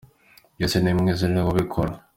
Yesu ni mwiza ni we ubikora.